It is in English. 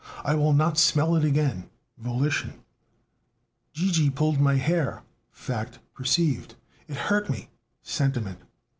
I will not smell it again (volition). Gigi pulled my hair (fact perceived). It hurt me (sentiment).